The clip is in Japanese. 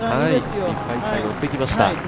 いっぱいいっぱい寄ってきました。